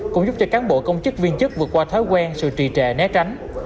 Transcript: cũng giúp cho cán bộ công chức viên chức vượt qua thói quen sự trì trệ né tránh